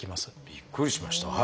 びっくりしました。